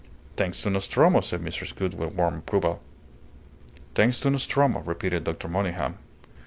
"Thanks to Nostromo," said Mrs. Gould, with warm approval. "Thanks to Nostromo," repeated Dr. Monygham.